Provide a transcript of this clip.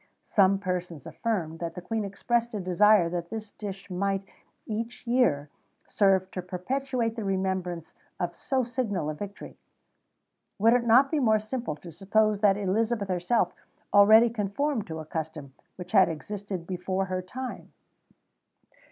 Some persons affirm that the Queen expressed a desire that this dish might, each year, serve to perpetuate the remembrance of so signal a victory. Would it not be more simple to suppose that Elizabeth herself already conformed to a custom which had existed before her time?